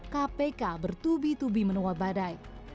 kpk bertubi tubi menua badai